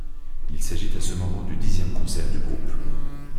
Il s'agit à ce moment du dixième concert du groupe.